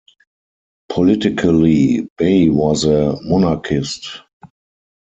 Politically, Bey was a monarchist.